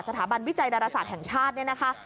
สถาบันวิจัยดรษาแห่งชาตินี้นะคะ